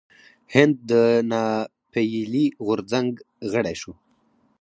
هند د ناپیيلي غورځنګ غړی شو.